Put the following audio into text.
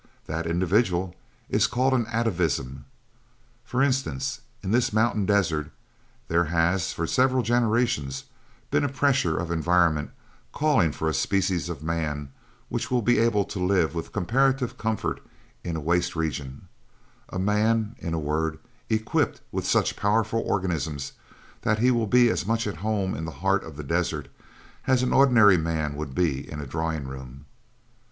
That individual is called an atavism. For instance, in this mountain desert there has, for several generations, been a pressure of environment calling for a species of man which will be able to live with comparative comfort in a waste region a man, in a word, equipped with such powerful organisms that he will be as much at home in the heart of the desert as an ordinary man would be in a drawing room.